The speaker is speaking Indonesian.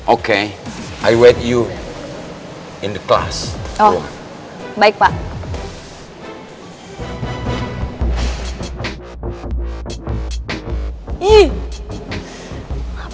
oke i will you in the class oh baik pak ya udah aku datang ke rumah kamu di kelas itu aku nanti nanti aku datang ke rumah kamu